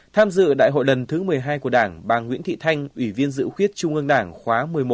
tham dự đại hội lần thứ một mươi hai của đảng bà nguyễn thị thanh ủy viên dự khuyết trung ương đảng khóa một mươi một